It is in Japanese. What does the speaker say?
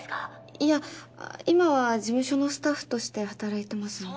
いや事務所のスタッフとして働いてますので。